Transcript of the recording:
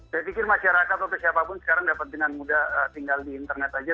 saya pikir masyarakat atau siapapun sekarang dapat dengan mudah tinggal di internet saja